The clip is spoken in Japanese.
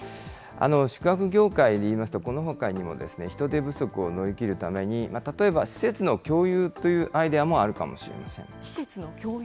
宿泊業界でいいますと、このほかにも人手不足を乗り切るために、例えば施設の共有というアイデアもあるかもしれません。